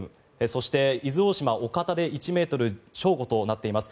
そして、伊豆大島・岡田で１ｍ、正午となっています。